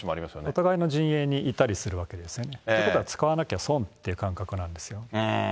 お互いの陣営にいたりするわけですよね。ということは使わなきゃ損という感覚なんですよね。